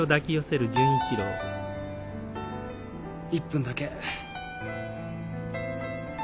１分だけ。